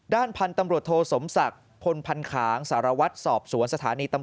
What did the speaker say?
ด่านพันธุ์ตำรวจโศตรสักฐ์พลภัณภ์ขาวสารวัสสอบสวนสถานี